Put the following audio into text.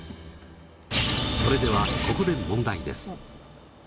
それではここで問題です！